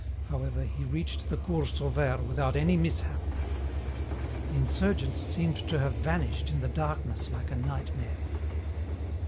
However, he reached the Cours Sauvaire without any mishap. The insurgents seemed to have vanished in the darkness like a nightmare.